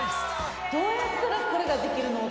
どうやったらこれができるの。